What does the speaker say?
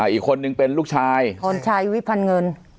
อีกคนนึงเป็นลูกชายพรชัยวิพันธ์เงิน